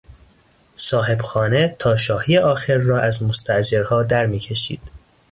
صاحبخانه تا شاهی آخر را از مستاجرها درمیکشید.